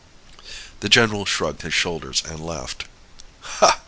The general shrugged his shoulders and laughed.